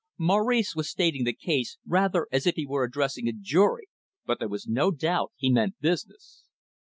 Maurice was stating the case, rather as if he were addressing a jury, but there was no doubt he meant business.